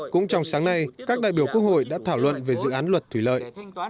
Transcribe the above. cũng trong sáng nay các đại biểu quốc hội đã thảo luận về dự án luật thủy lợi